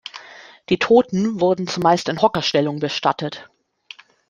Die Toten wurden zumeist in Hockerstellung bestattet.